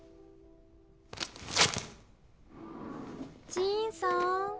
ジーンさん。